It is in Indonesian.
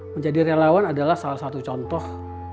menjadi relawan adalah salah satu contoh